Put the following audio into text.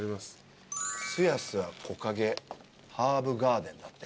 すやすや木陰ハーブガーデンだって。